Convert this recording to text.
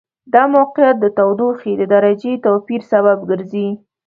دا موقعیت د تودوخې د درجې توپیر سبب ګرځي.